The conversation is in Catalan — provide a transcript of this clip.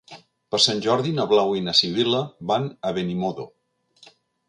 Per Sant Jordi na Blau i na Sibil·la van a Benimodo.